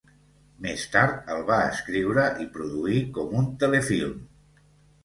Més tard el va escriure i produir com un telefilm.